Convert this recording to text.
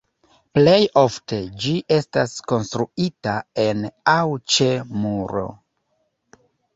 Plej ofte ĝi estas konstruita en aŭ ĉe muro.